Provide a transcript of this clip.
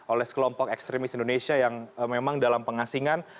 oleh sekelompok ekstremis indonesia yang memang dalam pengasingan